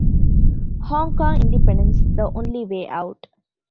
Hong Kong independence, the only way out